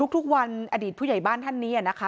ทุกวันอดีตผู้ใหญ่บ้านท่านนี้นะคะ